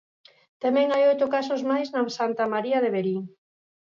Tamén hai oito casos máis na Santa María de Verín.